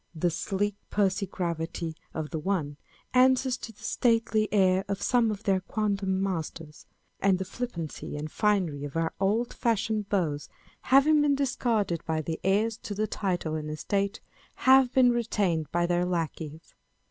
The sleek pursy gravity of the one answers to the stately air of some of their quondam masters ; and the flippancy and finery of our old fashioned beaux, having been discarded by the heirs to the title and estate, have been retained by their lacqueys.